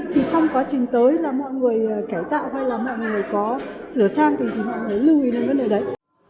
thì trong quá trình tới là mọi người cải tạo hay là mọi người có sửa sang thì mọi người lưu ý lên vấn đề đấy